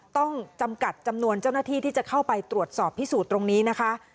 ต้องจำกัดจำนวนเจ้าหน้าที่ที่จะเข้าไปตรวจสอบพิสูจน์ตรงนี้นะคะ